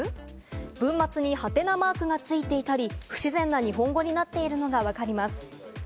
文末に「？」マークがついていたり、不自然な日本語になっているのがわかります。